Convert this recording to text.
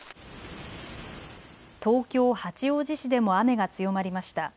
東京八王子市でも雨が強まりました。